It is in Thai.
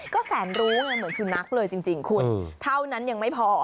ก็แสนรู้ไงเหมือนสุนัขเลยจริงคุณเท่านั้นยังไม่พอ